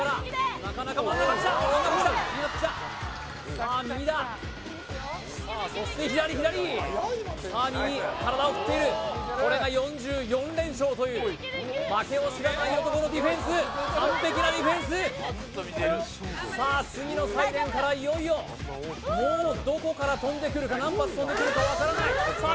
さあ右ださあそして左左さあ右体を振っているこれが４４連勝という負けを知らない男のディフェンス完璧なディフェンスさあ次のサイレンからいよいよもうどこから飛んでくるか何発飛んでくるか分からないさあ